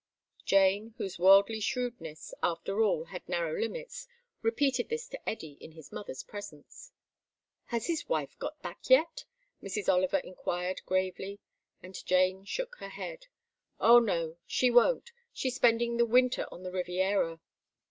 Jane, whose worldly shrewdness after all had narrow limits, repeated this to Eddy in his mother's presence. "Has his wife got back yet?" Mrs. Oliver inquired gravely, and Jane shook her head. "Oh no. She won't. She's spending the winter on the Riviera."